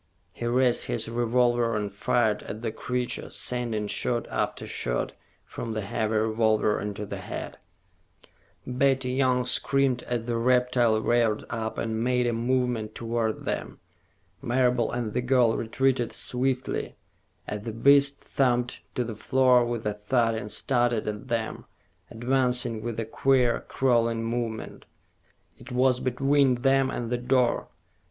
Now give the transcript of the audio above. He raised his revolver and fired at the creature, sending shot after shot from the heavy revolver into the head. Betty Young screamed as the reptile reared up and made a movement toward them. Marable and the girl retreated swiftly, as the beast thumped to the floor with a thud and started at them, advancing with a queer, crawling movement. It was between them and the door.